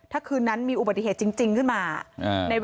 ถ้าคืนนั้นมีอุบัติเหตุจริงขึ้นมา